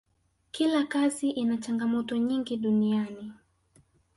kila kazi ina changamoto nyingi duniani